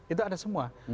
itu ada semua